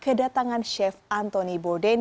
kedatangan chef anthony borden